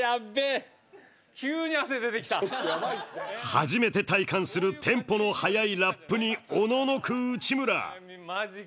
初めて体感するテンポの速いラップにおののく内村。